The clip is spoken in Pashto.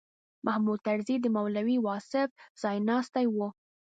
محمود طرزي د مولوي واصف ځایناستی و.